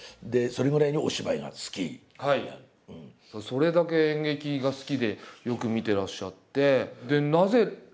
それだけ演劇が好きでよく見てらっしゃって。